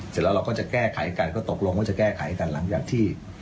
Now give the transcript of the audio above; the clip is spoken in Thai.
เสร็จแล้วเราก็จะแก้ไขกันก็ตกลงว่าจะแก้ไขกันหลังจากที่